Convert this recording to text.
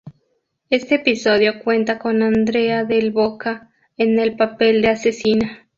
Este episodio cuenta con Andrea Del Boca, en el papel de asesina.